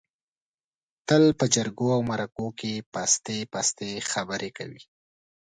تل په جرگو او مرکو کې پستې پستې خبرې کوي.